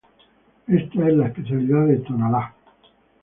Esta es la especialidad de Tonalá.